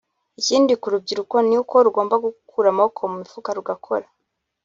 Ikindi ku rubyiruko ni uko rugomba gukura amaboko mu mifuka rugakora